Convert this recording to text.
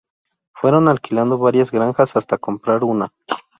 Fueron alquilando varias granjas hasta comprar una.